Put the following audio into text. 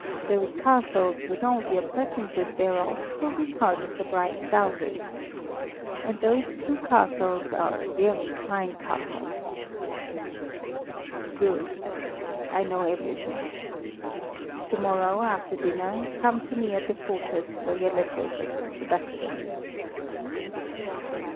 Those castles, with all the appurtenances thereof, will be part of the bride's dowry. And those two castles are very fine castles." "Good. I know everything. To morrow, after dinner, come to me at the fortress for your letters of introduction."